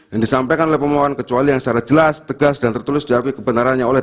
yang disampaikan oleh pemohon kecuali yang secara jelas tegas dan tertulis diakui kebenarannya oleh